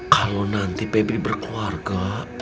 kalau nanti pebri berkeluarga